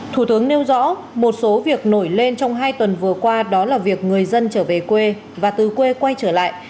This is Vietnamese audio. thủ tướng nêu rõ một số việc nổi lên trong hai tuần vừa qua đó là việc người dân trở về quê và từ quê quay trở lại